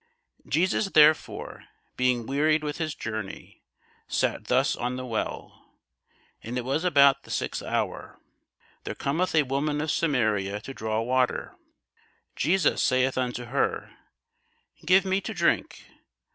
Jesus therefore, being wearied with his journey, sat thus on the well: and it was about the sixth hour. There cometh a woman of Samaria to draw water: Jesus saith unto her, Give me to drink.